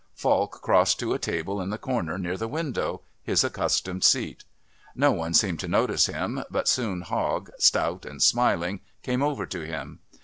Falk crossed to a table in the corner near the window, his accustomed seat. No one seemed to notice him, but soon Hogg, stout and smiling, came over to him.